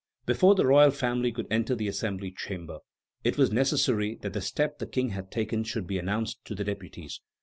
Before the royal family could enter the Assembly chamber, it was necessary that the step the King had taken should be announced to the deputies.